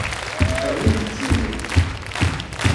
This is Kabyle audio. Rwimt-tt mliḥ.